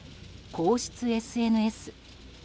皇室ＳＮＳ。